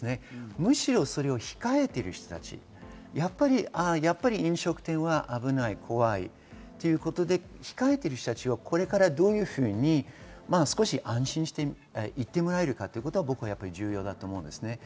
むしろそれを控えている人たち、飲食店は危ない怖いということで控えている人たちはこれからどういうふうに安心して行ってもらえるかということが重要です。